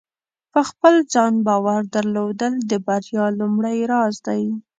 په خپل ځان باور درلودل د بریا لومړۍ راز دی.